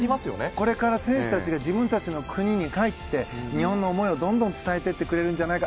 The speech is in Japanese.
これから選手たちが自分たちの国に帰って、日本の思いをどんどん伝えていってくれるんじゃないか。